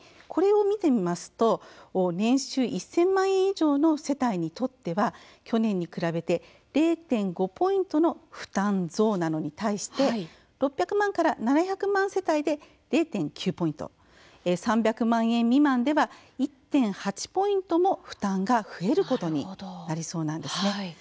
これを見てみますと年収１０００万円以上の世帯にとっては、去年に比べて０．５ポイントの負担増なのに対して６００万から７００万世帯で０．９ポイント３００万円未満では１．８ポイントも負担が増えることになりそうなんですね。